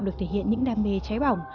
được thể hiện những đam mê trái bỏng